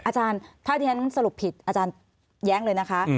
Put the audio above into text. อาจารย์ถ้าที่ฉันสรุปผิดอาจารย์แย้งเลยนะคะ